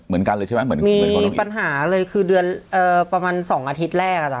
เหมือนกันเลยใช่ไหมมีปัญหาเลยคือเดือนเอ่อประมาณสองอาทิตย์แรกอ่ะ